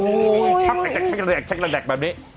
โอ้โฮแช็กแบบนี้